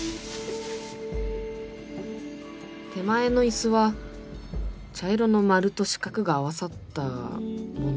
手前の椅子は茶色の丸と四角が合わさったもの？